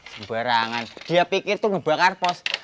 sembarangan dia pikir tuh ngebakar pos